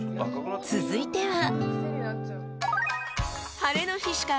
［続いては］